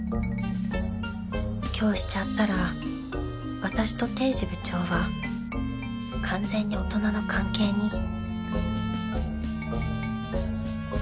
今日しちゃったら私と堤司部長は完全に大人の関係に